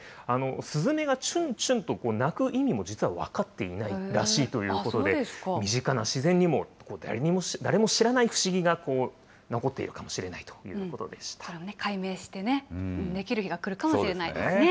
スズメがチュンチュンと鳴く意味も実は分かっていないらしいということで、身近な自然にも、誰も知らない不思議が残っているかも解明してね、できる日が来るかもしれませんね。